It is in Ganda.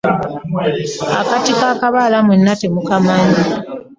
Akatiko akabaala mwenna temukamanyi?